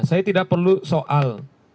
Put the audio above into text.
saya tidak perlu soal